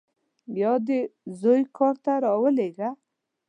یا دې زوی کار ته راولېږه.